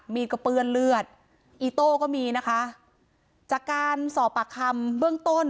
ก็เปื้อนเลือดอีโต้ก็มีนะคะจากการสอบปากคำเบื้องต้น